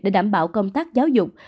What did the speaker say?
để đảm bảo công tác giáo dục